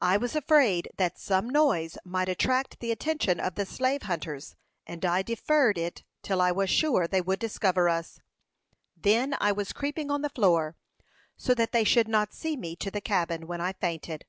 "I was afraid that some noise might attract the attention of the slave hunters, and I deferred it till I was sure they would discover us. Then I was creeping on the floor, so that they should not see me, to the cabin, when I fainted."